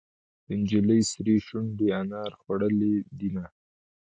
د نجلۍ سرې شونډې انار خوړلې دينهه.